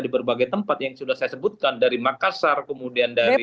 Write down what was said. di berbagai tempat yang sudah saya sebutkan dari makassar kemudian dari